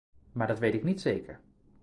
Maar dat weet ik niet zeker.